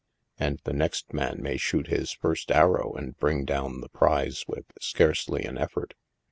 And the next man may shoot his first arrow and bring down the prize with scarcely an effort.